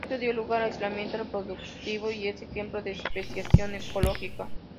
Esto dio lugar a aislamiento reproductivo, y es ejemplo de especiación ecológica.